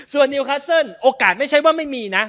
ส่วนนิวคัสเซิลโอกาสไม่ใช่ว่าไม่มีนะ